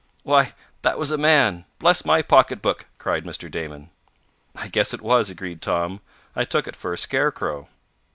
"Why, that was a man! Bless my pocketbook!" cried Mr. Damon. "I guess it was," agreed Tom. "I took it for a scarecrow."